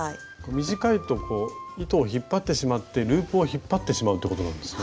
短いと糸を引っ張ってしまってループを引っ張ってしまうってことなんですね。